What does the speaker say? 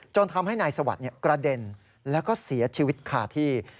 ทำให้นายสวัสดิ์กระเด็นแล้วก็เสียชีวิตคาที่